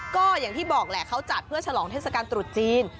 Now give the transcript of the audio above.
ก็อย่างที่บอกแหละเขาจัดเพื่อฉลองเทศกาลตรุษจีน